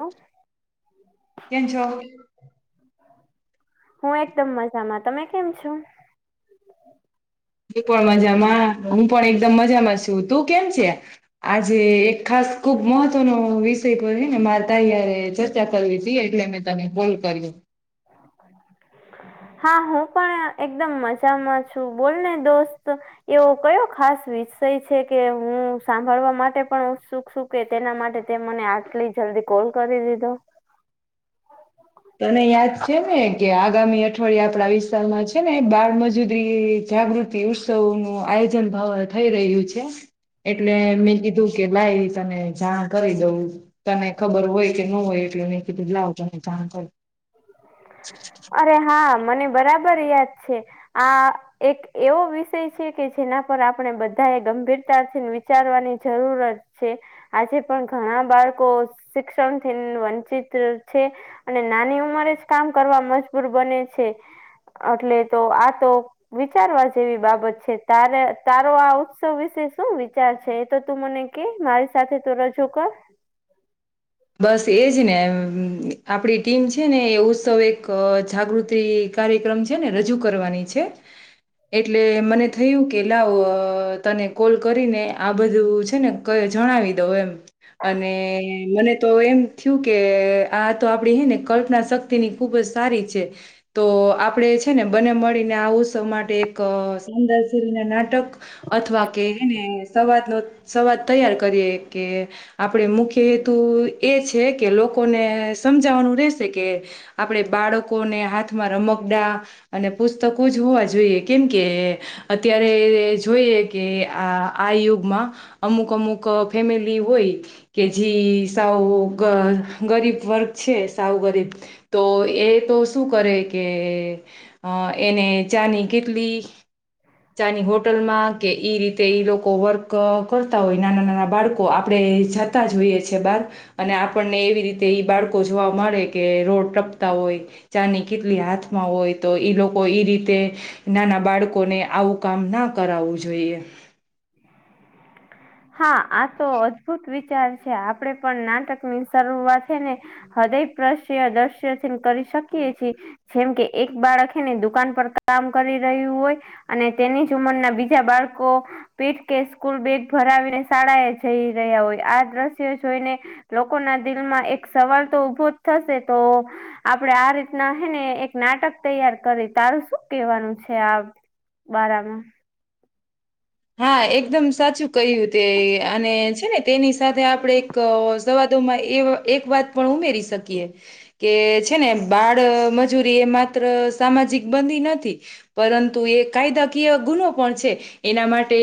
હં. કેમ છો? હું એકદમ મજામાં તમે કેમ છો. હું પણ મજામાં હું પણ એકદમ મજામાં છું તું કેમ છે? આજે એક ખાસ ખુબ મહત્વનો વિષય પર હે ને મારે તારી હારે ચર્ચા કરવી તી એટલે મે તને ફોન કર્યો. [inaudible] હા હું પણ એકદમ મજામાં છું બોલને દોસ્ત. એવો કયો ખાસ વિષય છે કે હું સાંભળવા માટે પણ ઉત્સુખ છુ. કે તેના માટે તે મને આટલી જલ્દી કોલ કરી દીધો. તને યાદ છે ને કે આગામી અઠવાડીયે આપણા વિસ્તારમાં છે ને બાળમજૂરી જાગૃત તી ઉત્સવનું આયોજન ભવ થઈ રહ્યું છે. એટલે મેં કીધું કે ભાઈ તને જાણ કરી દઉ. તને ખબર હોય કે ન હોય એટલે મેહી કીધું લાવ તને જાણ કર અરે હા મને બરાબર યાદ છે આ એક એવો વિષય છે કે જેના પર આપણે બધા એ ગંભીરથા થી વિચારવાની જરૂરત છે આજે પણ ઘણા બાળકો શિક્ષણ થી વંચિત છે અને નાની ઉંમરે જ કામ કરવા મજબૂર બને છે એટલે તો આ તો વિચારવા જેવી બાબત છે તારે તારો આ ઉત્સવ વિશે શું વિચાર છે એ તો તું મને કે મારી સાથે તો રજો કર બસ એજ ને આપડી ટીમ છે ને એ ઉત્સવ એક જાગૃતિ કાર્યક્રમ છે ને રજૂ કરવાની છે એટલે મને થયું કે લાવ તને કોલ કરીને આ બધું છે ને ક જણાવી દઉ એમ અને મને તો એમ થયું કે આ તો આપડી હે ને કલ્પના શક્તિ ની ખુબ જ સારી છે તો આપડે છે ને બને મળીને આ ઉત્સવ માટે એક શદા શરી ના નાટક અથવા કે એને સવાદ નો સવાદ તૈયાર કરીએ કે આપણેે મુખ્ય હેતુ એ છે કે લોકોને સમજાવાનું રહેશે કે આપણેે બાળકોને હાથમાં રમકડા અને પુસ્તકો જ હોવા જોઈએ કેમ કે અત્યારે જોઈએ કે આ આ યુગમાં અમુક અમુક ફેમિલી હોય કે જીસ સાવ ગરીબ વર્ગ છે સાવ ગરીબ તો એ તો શું કરે કે અ એને ચાની કેટલી ચાની હોટલમાં કે એ રીતે એ લોકો વર્ક કરતા હોય નાના નાના બાળકો આપણે જતા જ હોઈએ છેએ બહાર અને આપણને એવી રીતે બાળકો જોવા મળે કે રોડ ટપતા હોય ચા ની કેટલી હાથમાં હોય તો ઈ લોકો ઈ રીતે નાના બાળકોને આવું કામ ના કરાવવું જોઈએ [unintelligible] હા આ તો અદભુત વિચાર છે આપણેે પણ નાટક ની શરૂઆત છે ને હૃદય પ્રશ્ય દ્રશ્યથી કરી શકીએએ જેમ કે એક બાળક એને દુકાન પર કામ કરી રહ્યું હોય અને તેની જ ઉંમરના બીજા બાળકો પીઠ કે સ્કૂલ બેગ ભરાવીને શાળા એ જઈ રહ્યા હોય આ દ્રશ્યો જોઈને લોકો ના દિલમાં એક સવાલ તો ઉઊભો જ થશે તો આપડણે આ રીતના હે ને એક નાટક તૈયાર કરી તારું શું કેવાનું છે આ બારામાં હા એકદમ સાચું કહ્યું તે અને છે ને તેની સાથે આપણે સવાદોમાં એ એક વાત પણ ઉમેરી શકીએ કે છે ને બાળ મજૂરી એ માત્ર સામાજિક બંધી નથી પરંતુ એ કાયદાકીય ગુનો પણ છે એના માટે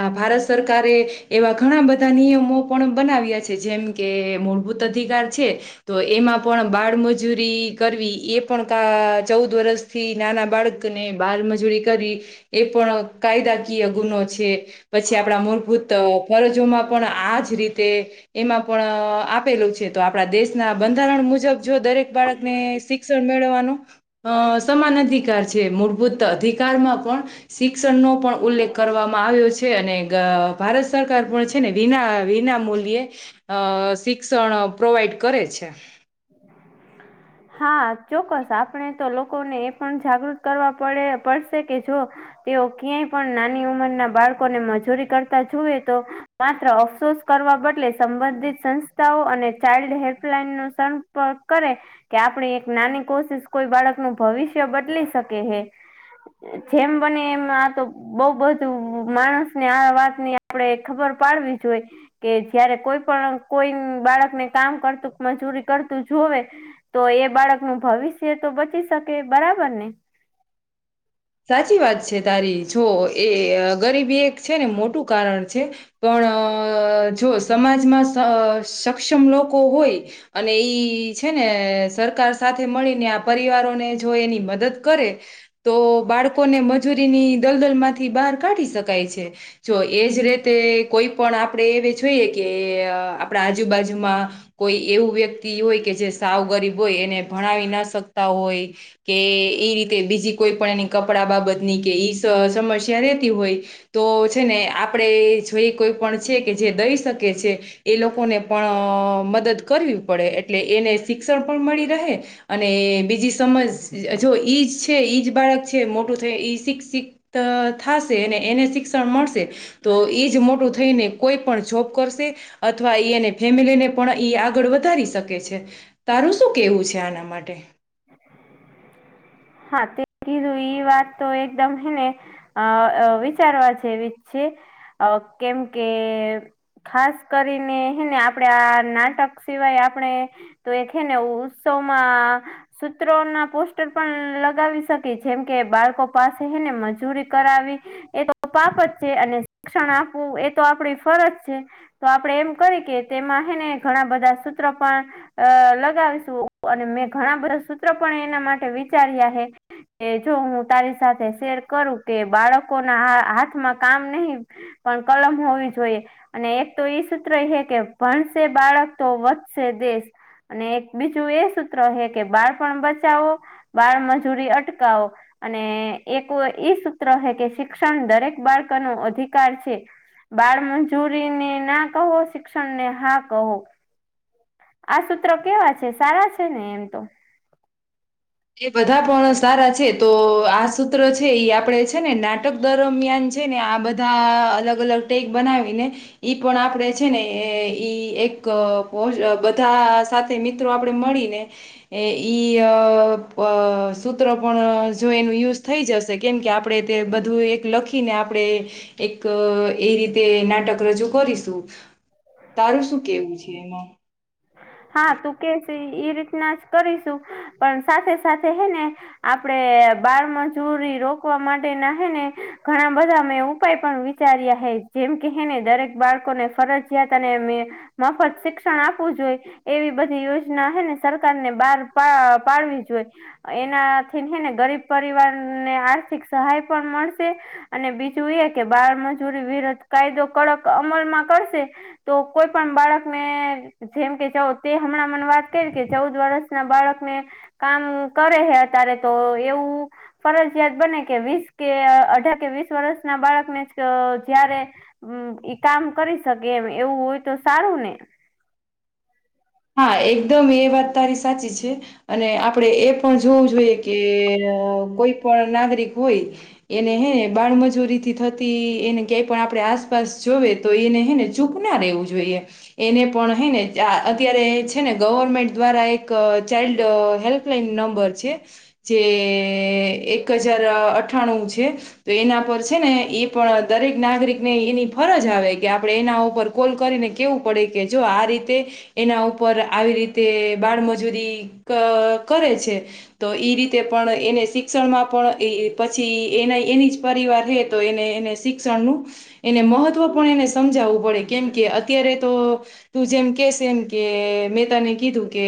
આ ભારત સરકારે એવા ઘણા બધા નિયમો પણ બનાવ્યા છે જેમ કે મૂળભૂત અધિકાર છે તો એમાં પણ બાળમજૂરી કર વી એ પણ કા ચૌદ વરષ થી નાના બાળકને બાલમજૂરી કરી એ પણ કાયદાકીય ગુનો છે પછી આપણા મૂળભૂત ફરજોમાં પણ આજ રીતે એમાં પણ આપેલું છે તો આપડા દેશના બંધારણ મુજબ જો દરેક બાળકને શ શિક્ મેળવાનું સમાન અધિકાર છે મૂળભૂત અધિકારમાં પણ શિક શિક્ષણ નો પણ ઉલ્લેખ કરવામાં આવ્યો છે અને ભારત સરકાર પણ છે ને વિના વિના મૂલ્યે અ શિક્ષણ પ્રોવાઈડ કરે છે [inaudible] હા ચોક્કસ આપણે તો લોકોને એ પણ જાગૃત કરવા પડે પડશે કે જો તેઓ ક્યાંય પણ નાની ઉંમરના બાળકોને મજૂરી કરતા જોુએ તો માત્ર અફસોસ કરવા બદલે સંબંધિત સંસ્થાઓ અને ચાઇલ્ડ હેલ્પલાઈન નો પર કરે કે આપણે એક નાની કોશિશ કોઈ બાળક નું ભવિષ્ય બદલી શકે હે. જેમ બને એમ આ તો બઉ બધું માણસ ને આ વાતની આપડે ખબર પાડવી જો હોઈ. કે જયારે કોઈ પણ કોઈ બાળકને કામ કરતું મજૂરી કરતું જોવે તો એ બાળક નું ભવિષ્ય તો બચી શકે બરાબર ને. સાચી વાત છે તારી જો એ ગરીબી એક છે ને મોટું કારણ છે. પણ અ જો સમાજમાં સક્ષમ લોકો હોય અને ઈ છે ને સરકાર સાથે મળીને આ પરિવારોને જો એની મદદ કરે તો બાળકોને મજૂરીની દલદલ માંથી બહાર કાઢી શકાય છે. જો એજ રીતે કોઈ પણ આપણે એ જોઈએ કે આપણા આજુબાજુમાં કોઈ એવું વ્યક્તિ હોય કે જે સાવ ગરીબ હોય એને ભણાવી ના શકતા હોય કે એ રીતે બીજી કોઈ પણ એની કપડા બાબત ની કે ઈ સમસ્યા રેતી હોય તો છે ને આપણેે જોઈ કોઈ પણ છે કે જે દઈ શકે છે. એ લોકોને પણ મદદ કરવી પડે એટલે એને શિક્ષણ પણ મળી રહે અને બીજી સમજ જો ઈજ છે ઈજ બાળક છે મોટું થાય શિક્ષિત થશે અને એને શિક્ષણ મળશે. તો એજ મોટું થઈને કોઈ પણ જોબ કરશે. અથવા એ એને ફેમિલી ને પણ એ આગળ વધારી શકે છે. તારું શું કેવું છે આના માટે હા તે કીધું એ વાત તો એકદમ હ ને અ વિચારવા છે એવી છે કેમ કે ખાસ કરીને ને આપડે આ નાટક સિવાય આપણેે તો એ છે ને ઉત્સવમાં સૂત્રો ના પોસ્ટર પણ લગાવી શકી જેમ કે બાળકો પાસે એને મજૂરી કરાવી. એ તો પાપ જ છે અને શિક્ષણ આપવું એ તો આપણી ફરજ છે. તો આપડે એમ કરી કે તેમાં હ ને ઘણા બધા સૂત્ર પણ અ લગાવીશું અને મેં ઘણા બધા સૂત્ર પણ એના માટે વિચાર્યા હે કે જો હું તારી સાથે શેર કરું કે બાળકો ના હાથમાં કામ નહી પણ કલમ હોવી જોઈએ. અને એક તો ઈ સૂત્ર છે કે ભણશે બાળક તો વધશે દેશ અને એક બીજું એ સૂત્ર હ કે બાળપણ બચાવો બાળ મજૂરી અટકાવો અને એક ઈ સૂત્ર હ કે શિક્ષણ દરેક બાળકનો અધિકાર છે. બાળ મંજૂરીને ના કહો શિક્ષણ ને હા કહો. આ સૂત્ર કેવા છે સારા છે ને એમ તો. એ બધા પણ સારા છે તો આ સૂત્ર છે એ આપડે છે ને નાટક દરમિયાન છે ને આ બધા અલગ અલગ ટેક બનાવીને ઈ પણ આપડે છે ને ઈ એક બીજ બધા સાથે મિત્રો આપડે મળી ને ઈ અ અ સૂત્ર પણ જો એનું યુઝ થઈ જશે કેમ કે આપણેે તે બધું એક લખી ને આપણે એક એ રીતે નાટક રજૂ કરીશું. તારું શું કેવું છે એમાં. હા તું કે છે એ રીતના જ કરીશું પણ સાથે સાથે હે ને. આપડે બાળમચૂરી રોકવા માટે ના હ ને ઘણા બધા અ ઉપાય પણ. ચાર્યા હ જેમ કે હને દરેક બાળકોને ફરજયાત અને. મફત શિક્ષણ આપવું જોઈએ. એવી બધી યોજના હે ને સરકાર ને બહાર પા પાડવી જોઈ. એનાથી ને ગરીબ પરિવાર ને આર્થિક સહાય પણ મળશે. અને બીજું એ કે બાળમજૂરી વિરુદ્ધ કાયદો કડક અમલમાં કરશે. તો કોઈ પણ બાળકને જેમ કે જાાવ. તે હમણાં મને વાત કરી કે ચૌદ વર્ષ ના બાળકને. કામ કરે હે અત્યારે તો એવું. ફરજયાત બને કે વીસ કે અઢાર કે વીસ વર્ષ ના બાળકને જારે. હમ ઈ કામ કરી શકે એમ એવું હોય તો સારું ને. હા એકદમ એ વાત તારી સાચી છે. અને આપડે એ પણ જોવું જોઈએ કે કોઈ પણ નાગરિક હોય. એને હે ને બાળમજૂરી થી થતી એને ક્યાંય પણ આપણે આસપાસ જોવે. તો એને હને ચૂક ના રહેેવું જોઈએ એને પણ હ ને. અત્યારે છે ને ગવર્મેન્ટ દ્વારા એક ચાઇલ્ડ હેલ્પલાઈન નંબર છે. જે એક હજાર અઠાણું છે. તો એના પર છે ને એ પણ દરેક નાગરિક ને એની ફરજ આવે કે આપડણે એના ઉપર. કોલ કરીને કેવું પડે કે જો આ રીતે. એના ઉપર આવી રીતે બાળમજૂરી ક કરે છે. તો એ રીતે પણ એને શિક્ષણમાં પણ પછી એના એની જ પરિવાર હે તો એને એને. શિક્ષણનુંું. એને મહત્વ પણ એને સમજાવવું પડે કેમ કે અત્યારે તો તું જેમ કેશે એમ. કે મેં તને કીધું કે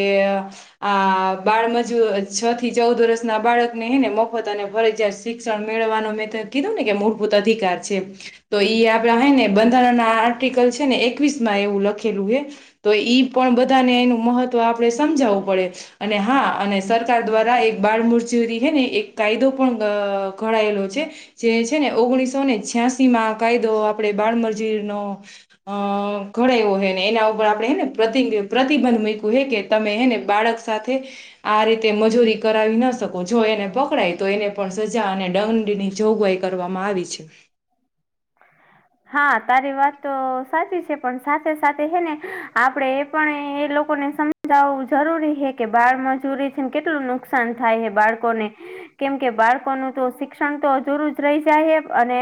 આ બાળમજ. છ થી ચૌદ વર્ષના બાળકને હને મફત અને ફરજિયાત શિક્ષણ મેળવવાનો મેથ. કીધું ને કે મૂળભૂત અધિકાર છે. તો એ આપડા હય ને બંધારણના આર્ટિકલ છે ને એકવીસ માં એવું લખેલું હ તો ઈ. પણ બધાને એનું મહત્વ આપણે સમજાવવું પડે અને હા અને સરકાર દ્વારા એક બાળમૂર્તિ. જે હ ને એક કાયદો પણ ઘડાયેલો છે. જે છે ને ઓગણીસો ને છ્યાંસી માં કાયદો આપે બાળમજીરનોો. અ ઘડાયવ્યો હોય ને એના ઉપર આપડે એને. પ્રતિ પ્રતિબંધ મૂકવ હે કે તમે એને બાળક સાથે. આ રીતે મજૂરી કરાવી ન શકો જો એને પકડાય તો એને પણ સજા અને દંડની જોગવાઈ. કરવામાં આવી છે. હ [unintelligible] હા તારી વાત તો સાચી છે પણ સાથે સાથે હે ને આપડે એ પણ એ લોકોને સમ. જાવવું જરૂરી હ કે બાળ મજૂરી છે ને કેટલું નુકસાન થાય હ બાળકોને. કેમ કે બાળકોનું તો શિક્ષણ તો જરું જ રહી જાય અને.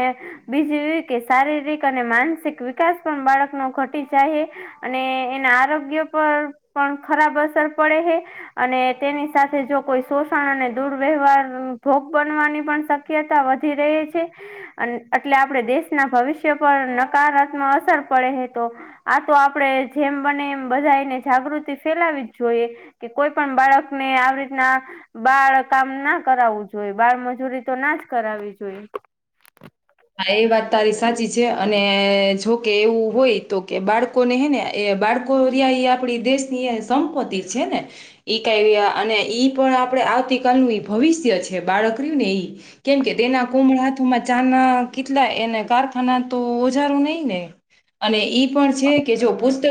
બીજું એું કે શારીરિક અને માનસિક વિકાસ પણ બાળકનો ઘટી ચહે. અને એના આરોગ્ય પર પણ ખરાબ અસર પડે હ. અને તેની સાથે જો કોઈ શોષણ અને દુર્વ્યવહાર ભોગ બનવાની પણ. શક્યતા વધી રહી છે અને. એટલે આપડે દેશના ભવિષ્ય પર નકારાત્મક અસર પડે તો. આ તો આપડે જેમ બને એમ બધાને જાગૃતિ ફેલાવી જ જોઈએ. કે કોઈ પણ બાળક ને આવી રીતના. બાળ કામ ના કરાવવું જોઈએ બાળ મજૂરી તો ના જ કરાવવી જોઈએ. હા એ વાત તારી સાચી છે અને જોકે એવું હોય તો કે બાળકો. ને હે ને એ બાળકો આપડી દેશની સંપત્તિ છે ને એ ક અને એ પણ આપણે આવતીકાલનું એ ભવિષ્ય છે બાળક રહ્યું ને એ કેમ કે તેના કુમળ હાથુમાં ચાના કેટલા એને કારખાના તો ઓજારો નહી ને અને ઈ પણ છે કે જો પુસ્તક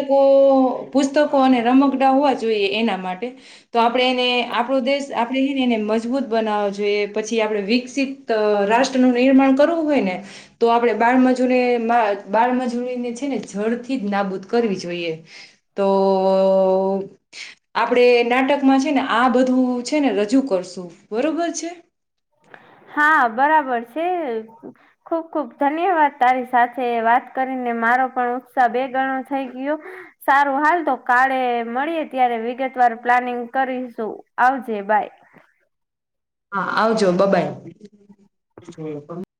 પુસ્તકો અને રમકડા હોવા જોઈએ એના માટે તો આપણે એને આપણો દેશ આપણે એને એને મજબૂત બનાવવો જોઈએ પછી આપણે વિકસિત તો રાષ્ટ્ર નું નિર્માણ કરવું હોય ને તો આપણે બાળમજૂરી બાળમજૂરીને છે ને જડથી જ નાબૂદ કરવી જોઈએ તો આપડે નાટકમાં છે ને આ બધું છે ને રજૂ કરશું બરાબર છે હા બરાબર છે ખુબ ખુબ ધન્યવાદ તારી સાથે વાત કરીને મારો પણ ઉત્સાહ બે ગણો થઈ ગયો સારું હાલ તો કાલે મળીએ ત્યારે વિગતવાર પ્લાનિંગ કરીશું આવજે બાય હા આવજો બબાઈ